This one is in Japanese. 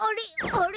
あれ？